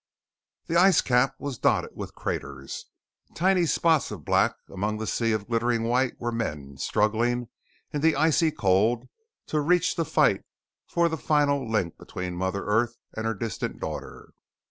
_" The ice cap was dotted with craters. Tiny spots of black among the sea of glittering white were men struggling in the icy cold to reach the fight for the final link between Mother Earth and her distant Daughter.